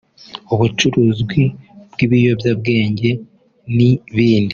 ubucuruzi bw’ ibiyobyabwenge n’ ibindi